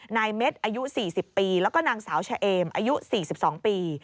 เม็ดอายุ๔๐ปีแล้วก็นางสาวชะเอมอายุ๔๒ปี